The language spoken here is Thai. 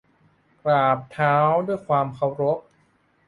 กราบเท้าด้วยความเคารพ